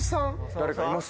誰かいます？